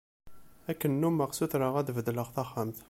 Akken nummeɣ sutreɣ ad beddleɣ taxxamt.